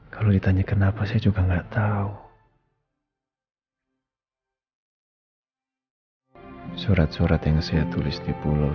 kalau ditanya kenapa saya juga nggak tahu surat surat yang saya tulis di pulau